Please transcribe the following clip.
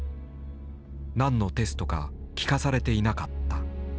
何のテストか聞かされていなかった。